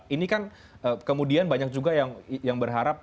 ini kan kemudian banyak juga yang berharap